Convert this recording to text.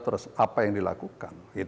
terus apa yang dilakukan